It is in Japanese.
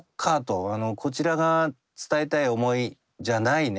こちらが伝えたい思いじゃないね